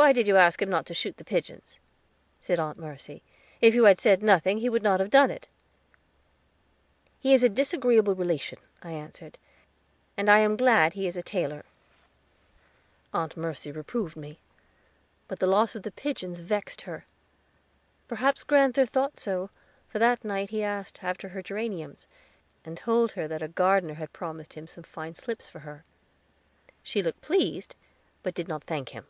"Why did you ask him not to shoot the pigeons?" said Aunt Mercy. "If you had said nothing, he would not have done, it." "He is a disagreeable relation," I answered, "and I am glad he is a tailor." Aunt Mercy reproved me; but the loss of the pigeons vexed her. Perhaps grand'ther thought so, for that night he asked after her geraniums, and told her that a gardener had promised him some fine slips for her. She looked pleased, but did not thank him.